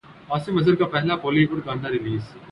عاصم اظہر کا پہلا Bollywood گانا ریلیز